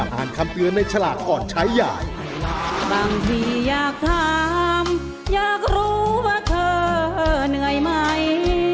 บางทีอยากถามอยากรู้ว่าเธอเหนื่อยไหม